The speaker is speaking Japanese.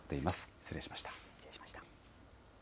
失礼しました。